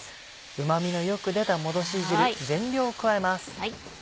うまみのよく出たもどし汁全量を加えます。